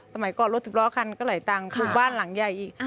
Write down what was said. สมัยก่อนรถสิบล้อคันก็ไหลตังคลุกบ้านหลังใหญ่อีก